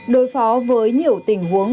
đối phó với nhiều tình huống